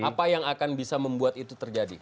apa yang akan bisa membuat itu terjadi